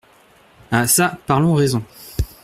Ah ça, parlons raison.